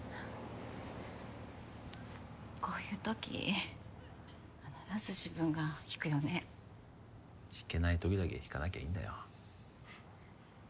こういう時必ず自分が引くよね引けない時だけ引かなきゃいいんだよ